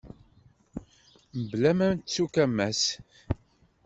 Mebla ma nettu-k a Mass.